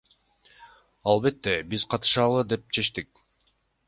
Албетте, биз катышалы деп чечтик.